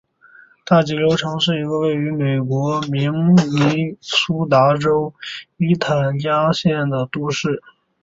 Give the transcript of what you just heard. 大急流城是一个位于美国明尼苏达州伊塔斯加县的都市。